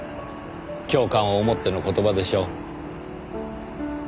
教官を思っての言葉でしょう。